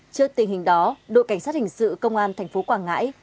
trước tình hình đó đội cảnh sát hình sự công an tp quảng ngãi